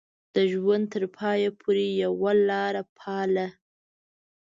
د ژوند تر پايه پورې يې يوه لاره پالله.